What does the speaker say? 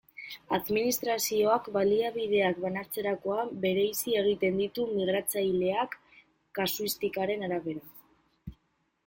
Administrazioak baliabideak banatzerakoan bereizi egiten ditu migratzaileak, kasuistikaren arabera.